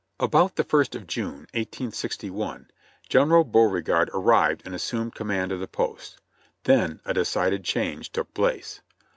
About the first of June, 1861, General Beauregard arrived and assumed command of the post; then a decided change took place.